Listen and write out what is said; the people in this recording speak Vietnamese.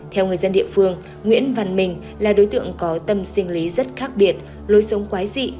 theo người dân địa phương nguyễn văn mình là đối tượng có tâm sinh lý rất khác biệt lối sống quái dị